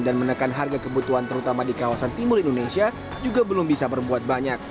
dan menekan harga kebutuhan terutama di kawasan timur indonesia juga belum bisa berbuat banyak